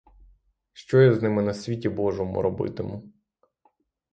Що я з ними на світі божому робитиму?